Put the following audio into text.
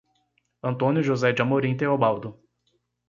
Antônio José de Amorim Teobaldo